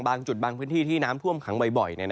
บางจุดบางพื้นที่ที่น้ำท่วมขังบ่อย